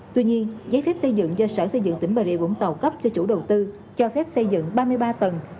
tuy nhiên giấy phép xây dựng do sở xây dựng tỉnh bà rịa vũng tàu cấp cho chủ đầu tư cho phép xây dựng ba mươi ba tầng